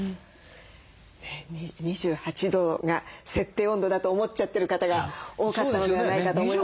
２８度が設定温度だと思っちゃってる方が多かったのではないかと思いますね。